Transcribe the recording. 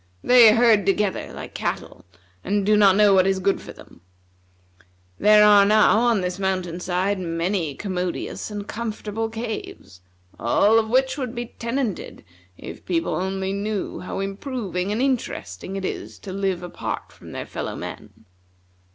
They herd together like cattle, and do not know what is good for them. There are now on this mountain side many commodious and comfortable caves, all of which would be tenanted if people only knew how improving and interesting it is to live apart from their fellow men.